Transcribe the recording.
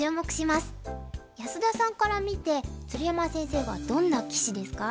安田さんから見て鶴山先生はどんな棋士ですか？